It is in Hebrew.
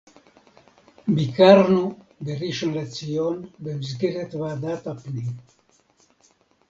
ביקרנו בראשון-לציון במסגרת ועדת הפנים